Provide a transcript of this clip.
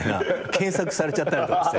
検索されちゃったりとかして。